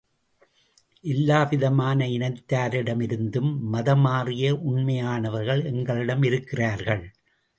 எல்லாவிதமான இனத்தாரிடமிருந்தும் மதமாறிய உண்மையானவர்கள் எங்களிடம் இருக்கிறார்கள்.